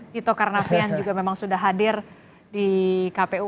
tito karnavian juga memang sudah hadir di kpu